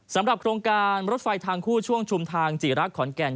สำหรับโครงการรถไฟทางคู่ช่วงชุมทางจีรักขอนแก่น